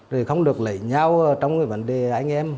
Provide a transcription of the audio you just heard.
rồi không được lấy nhau trong cái vấn đề anh em